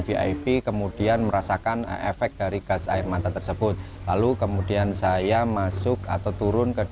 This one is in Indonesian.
vip kemudian merasakan efek dari gas air mata tersebut lalu kemudian saya masuk atau turun ke